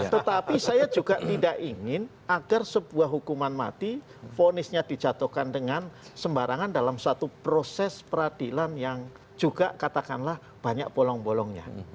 tetapi saya juga tidak ingin agar sebuah hukuman mati ponisnya dijatuhkan dengan sembarangan dalam satu proses peradilan yang juga katakanlah banyak bolong bolongnya